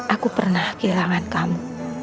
aku pernah kehilangan kamu